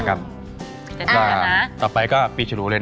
แม่บ้านประจันบัน